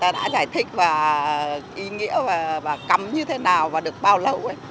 đã giải thích và ý nghĩa và cắm như thế nào và được bao lâu ấy